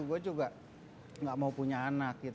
gue juga gak mau punya anak